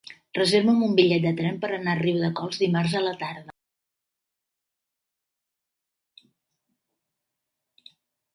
Reserva'm un bitllet de tren per anar a Riudecols dimarts a la tarda.